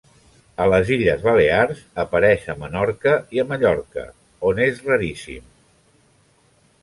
A les Illes Balears apareix a Menorca i a Mallorca, on és raríssim.